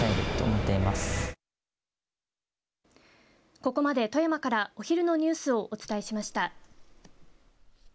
ここまで富山からお昼のニュースをお伝えしました。